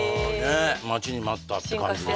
待ちに待ったって感じですよ